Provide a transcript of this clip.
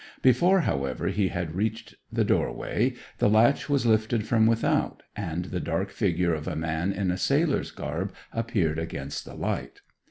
Before, however, he had reached the doorway, the latch was lifted from without, and the dark figure of a man in a sailor's garb appeared against the light.